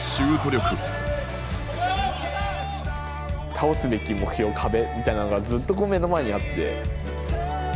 倒すべき目標壁みたいなのがずっとこう目の前にあって。